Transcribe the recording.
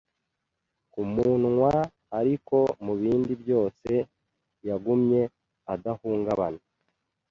kumunwa, ariko mubindi byose yagumye adahungabana.